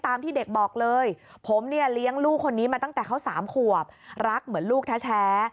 ที่เด็กบอกเลยผมเนี่ยเลี้ยงลูกคนนี้มาตั้งแต่เขา๓ขวบรักเหมือนลูกแท้